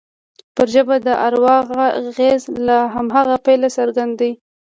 پر ژبه د اروا اغېز له هماغه پیله څرګند دی